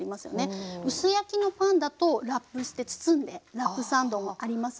薄焼きのパンだとラップして包んでラップサンドもありますし。